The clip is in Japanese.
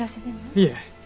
いえ。